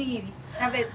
食べて。